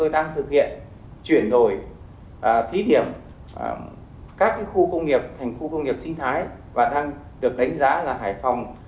đổi thí điểm các khu công nghiệp thành khu công nghiệp sinh thái và đang được đánh giá là hải phòng